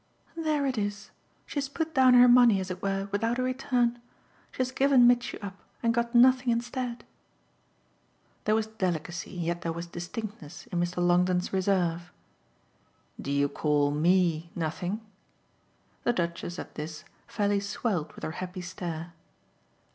"There it is. She has put down her money, as it were, without a return. She has given Mitchy up and got nothing instead." There was delicacy, yet there was distinctness, in Mr. Longdon's reserve. "Do you call ME nothing?" The Duchess, at this, fairly swelled with her happy stare.